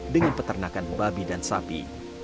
dengan peternakan babi dan sapi